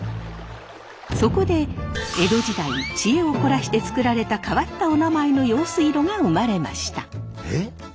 そこで江戸時代知恵を凝らして作られた変わったおなまえの用水路が生まれました。